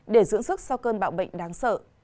để dưỡng sức sau cơn bạo bệnh đáng sợ